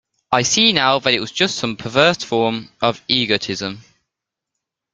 I see now that it was just some perverse form of egotism.